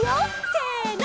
せの！